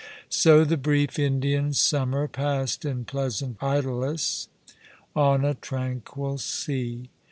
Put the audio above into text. I So the brief Indian summer passed in pleasant idlesse on a tranquil sea.